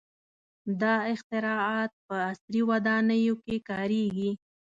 • دا اختراعات په عصري ودانیو کې کارېږي.